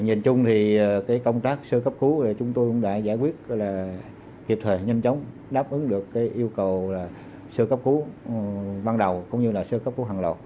nhìn chung thì công tác sơ cấp cứu chúng tôi đã giải quyết kiệp thời nhanh chóng đáp ứng được yêu cầu sơ cấp cứu ban đầu cũng như sơ cấp cứu hàng lọt